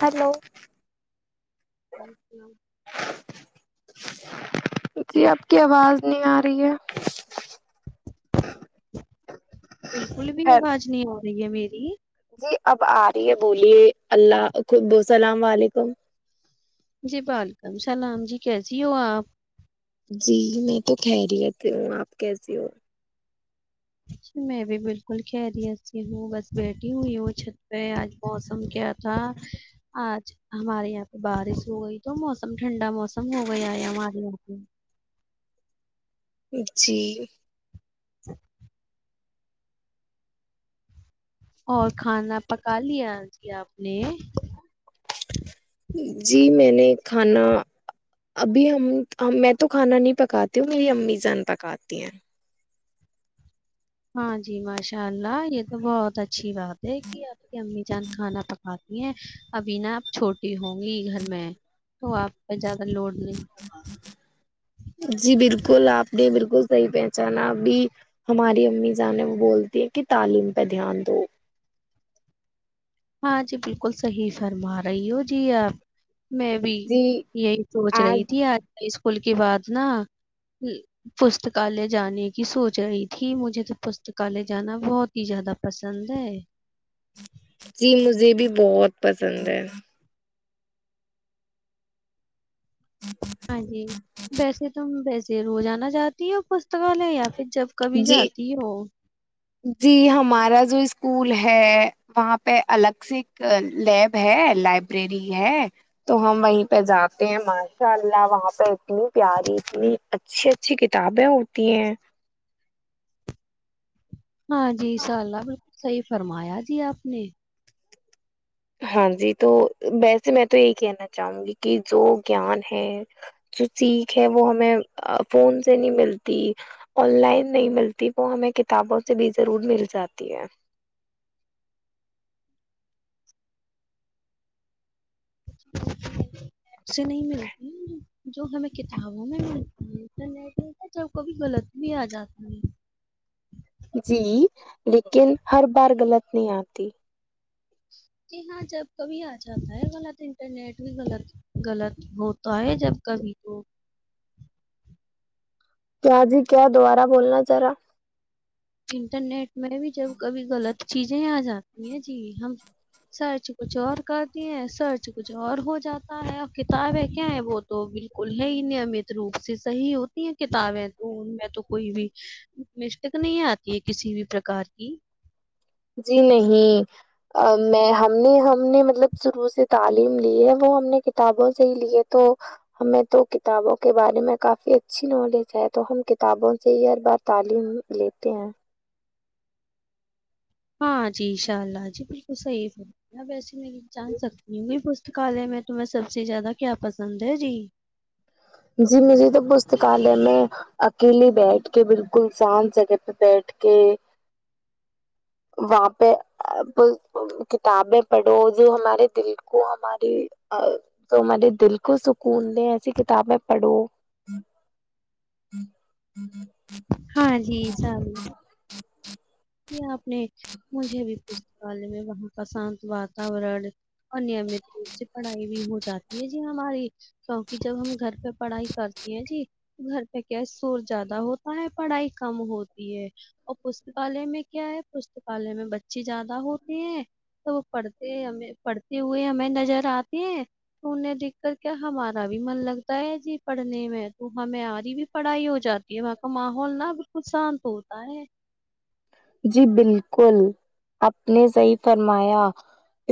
hello وعلیکم السلام [inaudible] جی آپ کی آواز نہیں آ رہی ہے بالکل بھی ہیلو آواز نہیں آ نہیں ہے میری جی اب آ رہی ہے بولیے اللہ خب السلام ععلیکم جی وعلیکم سلام جی کیسی ہو آپ جی میں تو خہریت ہوں آپ کیسیے ہو اچ میں بھی بالکل خہریسی ہوں بس بیٹھی ہوئی ہوںھ آج موسم کیا تھا آج ہمارے یہاں بارش ہو گئی تو موسم ٹھنڈا موسم ہو گیا ہے ہمارے یہاں جی [inaudible] اور کھانا پکا لیا جی آپ نے جی میں نے کھانا ابھی ہم میں تو کھانا نہیں پکاتی ہوں میری امی جان پکاتی ہیں ہاں جی بشا ان شاء اللہ یہ تو بہت اچھی بات ہے کہ آپ کی امی جان کھانا پکاتی ابھی نا آپ چھوٹی ہوں گی گھر میں تو آپ کا زیادہ لوڈ نہیں ہوگا جی بالکل آپ نے بالکل صحی پہچانا ابھی ہماری امی جانے وہ بولتی ہیں کہ تعلیم پہ دھیان دو ہاں جی بالکل صحیح فرما رہی ہو جی آپ میں بھی جی یہی سوچ آج رہی تھی آج کل کے بعد نا پستکالیہ جانے کی سوچ رہی تھی مجھے تو پستکالیہ جانا بہت ہی زیادہ پسند ہے جی مجھے بھی بہت پسند ہے ہاں جی ویسے تو ویسے روزاننا چاہتی ہے پستکالے یا پھر جب کبھی جی جاتی ہو جی ہمارا جو اسکول ہے وہاں پہ الگ سے ایک لیب ہے لائبریری ہے تو ہم وہیں پہ جاتے ہیں ماشاء اللہ وہاں پہ اتنی پیاری اتنی اچھی اچھی کتابیں ہوتی ہیں ہاں جیاء اللہ صحیح فرمایا جی آپ نے ہاں جی تو ویسے میں تو یہی کہنا چاہوں گی کہ جو گیان ہے جو سیکھ ہے وہ ہمیں فون سے نہیں ملتی آن لائن نہیں ملتی وہ ہمیں کتابوں سے بھی ضرور مل جاتی ہے ایپ سے نہیں ملتی جو ہمیں کتابوں میں ملتی جب کبھی غلط بھی آ جاتا ہے جی لیکن ہر بار غلط نہیں آتی کہ ہاں جب کبھی آ جاتا ہے غلط انٹرنیٹ بھی غلط غلط ہوتا ہے جب کبھی تو کیا جی کیا دوبارہ بولنا چ رہا انٹرنیٹ میں بھی جب کبھی غلط چیزیں آ جاتا ہیں جی ہم سرچ کچھ اور کرتے ہیں سرچ کچھ اور ہو جاتا ہے کتابیں کیا ہے وہ تو بالکل ہی نیمت روپ سے صحیح ہوتی ہیں کتابیں تو ان میں تو کوئی بھی مسٹیک نہیں آتی کہ کسی بھی پرکار کی جی نہیں میں ہم نے ہم نے مطلب شروع سے تعلیم لی ہے وہ ہم نے کتابوں سے ہی لیے تو ہمیں تو کتابوں کے بارے میں کافی اچھی نالج ہے تو ہم کتابوں سے ہی ہر بار تعلیم لیتے ہیں ہاں جی ان شاء اللہ جی بالکل صحیح ف ہے وسے میں جان سکتی ہوںی پستکالیہ میں تمہیں سب سے زیادہ کیا پسند ہے جی جی مجھے تو پستکالیہ میں اکیلیے بیٹھ کے بالکل سان جگہ پہ بیٹھ کے وہاں پہ کتابیں پڑھو جو ہمارے دل کو ہماری جو ہمارے دل کو سکون دے ایسی کتابیں پڑو ہاں جی سار آپ نے مجھے بھی پستکال میں وہاں پ شانت واتورن اور نمت روپ سے پڑھائی بھی ہو جاتی ہے جی ہماری کیونکہ جب ہم گھر پہ پڑھائی کرتے ہیں جی تو گھر پہ کیا ہے سور زیادہ ہوتا ہے پڑھائی کم ہوتی ہے اور پالیہ میں کیا ہے پستکالیہ میں بچے زیادہ ہوتے ہیں تو وہ پڑھتے ہمیں پڑھتے ہوئے ہمیں نظر آتے ہیں تو انہیں دیکھ کر کیا ہمارا بھی من لگتا ہے جی پڑھنے میں تو ہمیںاری بھی پڑھائی ہو جاتی ہے وہاں کا ماحول نا بالکل شانت ہوتا ہے جی بالکل آپ نے صحی فرمایا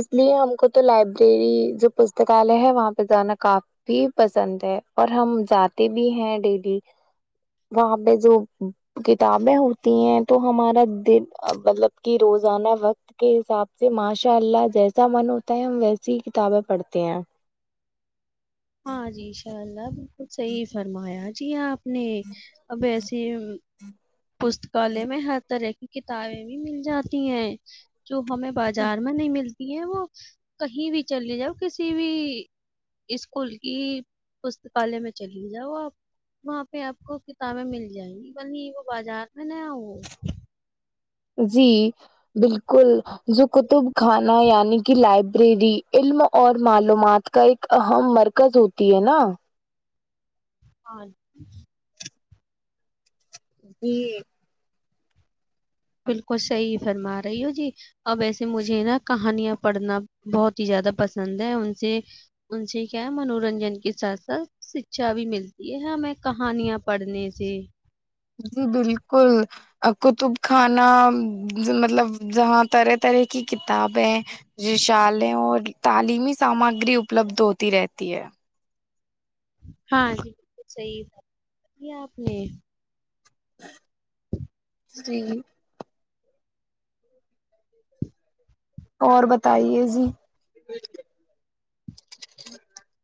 اس لیے ہم کو تو لائبریری جو پستکالیہ ہے وہاں پہ جانا کافی پسند ہے اور ہم جاتے بھی ہیں ڈیلی وہاں پہ جو کتابیں ہوتی ہیں تو ہمارا دن مطلب کہ روزانہ وقت کے حساب سے ماشاء اللہ جیسا من ہوتا ہے ہم ویسی ہی کتابیں پڑھتے ہیں ہاں جی لب کچھ صحیح فرمایا جی آپ نہیں ابس جی پستکالیہ میں ہر طرح کتابیں بھی مل جاتی ہیں جو ہمیں بازار میں نہیں ملتا وہ کہیں بھی چل جاؤ کسی بھی اسکول کی پستکالیہ میں چلے جاؤ آپ وہاں پہ آپ کو کتابیں مل جائیں گی بازار میں نہیںیا وہ جی بالکل جو کتب خانہ یعنی کہ لائبریری علم اور معلومات کا ایک اہم مرکز ہوتی ہے نا اوراں جی بالکل صحیح فرما رہی ہو جی اب ایسے مجھے نا کہانیاں پڑھنا بہت ہی زیادہ پسند ہے ان سے ان سے کیا ہے منورنجن کے ساتھ ساتھ شکھا بھی ملتی ہے ہمیں کہانیاں پڑھنے سے کطب خانہ مطلب جہاں طرح طرح کی کتابیں رشالیں اور تعلیمی سامگری اپلبدھ ہوتی رہتی ہے ہاں جی بالکل صحیح تھا کیا آپ نے جی اور بتائیے جی ہ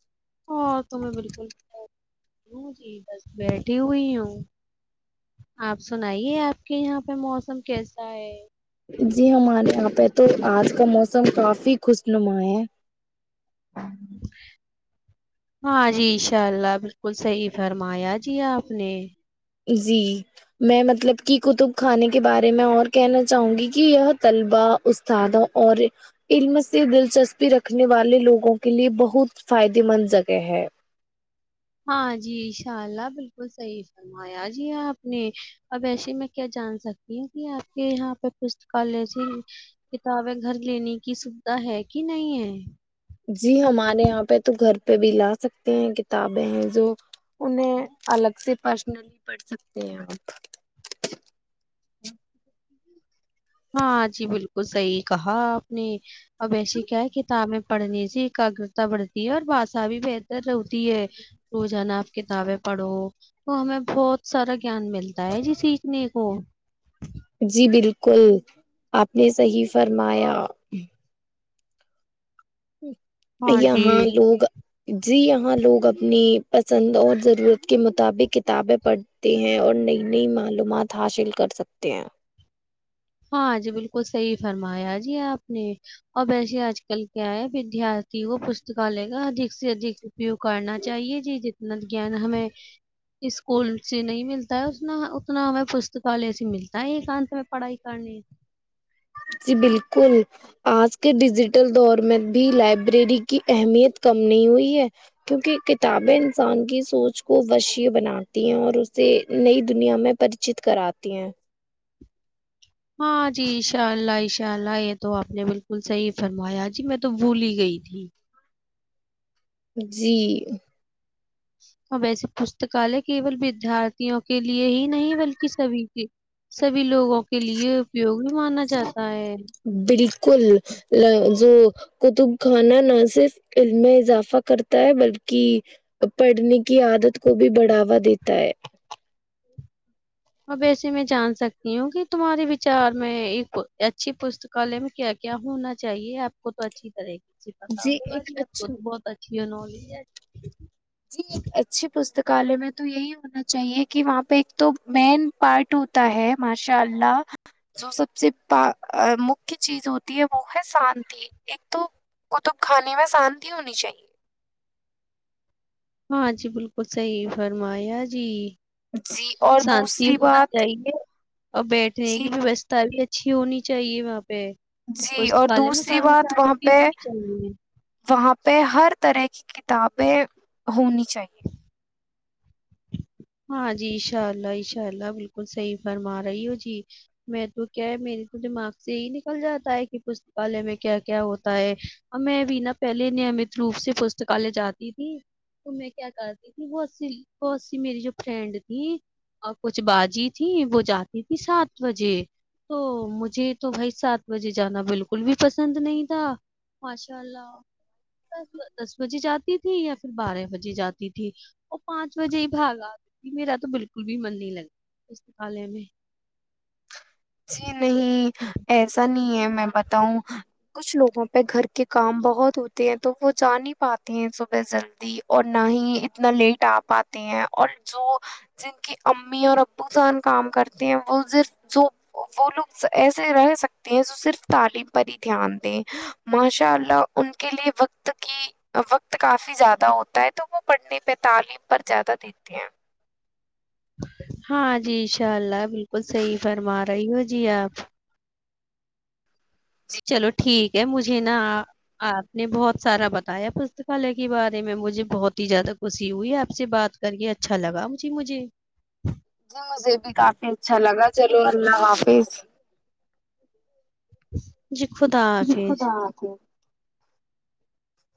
اور تو میں بالکل ہوں جی بس بیٹھی ہوئی ہوں آپ سنائیے آپ کے یہاں پہ موسم کیسا ہے جی ہمارے یہاں پہ تو آج کا موسم کافی خوشنما ہے ہاں جی انشاء اللہ بالکل صحیح فرمایا جی آپ نے جی میں مطلب کہ کتب خانے کے بارے میں اور کہنا چاہوں گی کہ یہ طلبہ استادوں اور علم سے دلچسپی رکھنے والے لوگوں کے لیے بہت فائدے مند جگہ ہے ہاں جی ان شاء اللہ بالکل صحیح فرمایا جی آپ نے اب ایسے میں کیا جان سکتی ہوں کہ آپ کے یہاں پہ پستکالیہ سے کتابیں گھر لینے کی سوھا ہے کہ نہیں ہے جی ہمارے یہاں پہ تو گھر پہ بھی لا سکتے ہیں کتابیں ہیں جو انہیں الگ سے پرسنلی پڑھ سکتے ہیں آپ ہاں جی بالکل صحیح کہا آپ نے اور ویسے کیا ہے کتابیں پڑھنے سے ایکاگگرتا بڑھتی ہے اور باشا بھی بہتر رہتی ہے رو جانا آپ کتابیں پڑھو تو ہمیں بہت سارا گیان ملتا ہے جی سیکھنے کو جی بالکل آپ نے صحیح فرمایا ہاں جی یہاں لوگ جی یہاں لوگ اپنی پسند اور ضرورت کے مطابق کتابیں پڑھتے ہیں اور نئی نئی معلومات حاصل کر سکتے ہیں ہاں جی بالکل صحیح فرمایا جی آپ نے اور ویسے آج کل کیا ہے ودارتھی کو پستکالے کا ادھ سے ادھک پی کرنا چاہیے جی ج گان ہمیں اسکول سے نہیں ملتا ہے انا اتنا ہمیں پستکالیہ سے ملتا ہے ایکانت میں پڑھائی ت جی بالکل آج کے ڈیجیٹل دور میں بھی لائبریری کی اہمیت کم نہیں ہوئی ہے کیونکہ کتابیں انسان کی سوچ کو وشی بناتی ہیں اور اسے نئی دنیا میں پریچت کراتی ہیں ہاں جی انشاء اللہ انشاء اللہ یہ تو آپ نے بالکل صحیح فرمایا جی میں تو بھوول ہی گئی تھی جی اور ویسے پستکالیہ کیول ودارتھیوں کے لیے ہی نہیں بلکہ سبھی کے سبھی بھی لوگوں کے لیے اپیوگ بھی مانا جاتا ہے کل جو قتب خانہ نہ صرف علم میں اضافہ کرتا ہے بلکہ پڑھنے کی عادت کو بھی بڑھاوا دیتا ہے ا ویسے میں جان سکتی ہوں کہ تمہارے وچار میں ایک اچھی پستکالیہ میں کیا کیا ہونا چاہیے آپ کو تو اچھی طرح کی ا پتا ہوا با ایک جی آ کو اچھا بہت اچھا یونولی ہے جی ایک اچھی پستک کالے میں تو یہی ہونا چاہیے کہ وہاں پہ ایک تو مین پارٹ ہوتا ہے ماشاء اللہ جو سب سے مکہ چیز ہوتی ہے وہ ہے شانتی ایک تو کطب خانے میں شانتی ہونی چاہیے ہاں جی بالکل صحی فرمایا جی جی اور شانتی دوسری ہونا بات چاہیے اور بیٹھنے کی جی ووستھا بھی ہے اچھی ہونی چاہیے وہاںپ پ جی اور پستکال میں دوسری بات کرمچاری وہاں بھی پہ ہونی چاہےے وہاں پہ ہر طرح کی کتابیں ہونی [unintelligible] چاہیے [unintelligible] ہاں جی انشاء اللہ انشاء اللہ بالکل صحیح فرما رہی ہوں جی میں تو کیا ہے میرے تو دماغ سے ہی نکل جاتا ہے کہ پستکالیہ میں کیا کیا ہوتا ہے اور میں بھی نہ پہلے نیمت روپ سے پستکالیہ جاتی تھی تو میں کیا کرتی تھی بہت سی بہت سی میری جو فرینڈ تھیں اور کچھ باجی تھیں وہ جاتی تھی سات بجے تو مجھے تو بھائی سات بجے جانا بالکل بھی پسند نہیں تھا ماشاء اللہ دس بجے جاتی تھی یا پھر بارہ بجے جاتی تھی اور پانچ بجے ہی بھاگ آ [unintelligible] میرا تو بالکل بھی من نہیں لگا اسستقالے میں [unintelligible] جی نہیں ایسا نہیں ہے میں بتاؤں کچھ لوگوں پہ گھر کے کام بہت ہوتے ہیں تو وہ جا ہی پاتے ہیں صبح جلدی اور نہ ہی اتنا لیٹ آ پاتے ہیں اور جو جن کی امی اور ابو جان کام کرتے ہیں وہ صرف جو [unintelligible] وہ لوگ ایسے رہ سکتے ہیں جو صرف تعلیم پر ہی دھیان دیں ماشاء اللہ ان کے لیے وقت کی وقت کافی زیادہ ہوتا ہے تو وہ پڑھنے پہ تعلیم پر زیادہ دیتے ہیں [unintelligible] ہاں جی انشاء اللہ بالکل صحیح فرما رہی ہو جی آپ [inaudible] جی چلو ٹھیک ہے مجھے نا آپ نے بہت سارا بتایا پستکالیہ کے بارے میں مجھے بہت ہی زیادہ خوشی ہوئی آپ سے بات کر کے اچھا لگا مجھے مجھے [unintelligible] جی مجھے بھی کافی اچھا لگا [unintelligible] چلو اللہ حافظ [unintelligible] [inaudible] جی خدا جی حافظ [unintelligible] خدا حافظ